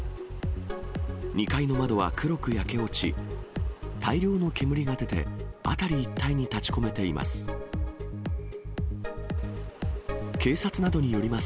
２階の窓は黒く焼け落ち、大量の煙が出て、辺り一帯に立ちこめています。